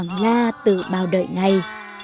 hoàng la tự bào đợi ngày